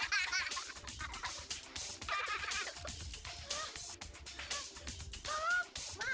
tidak mau pergi sama aku